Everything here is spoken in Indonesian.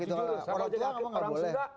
orang tua kamu tidak boleh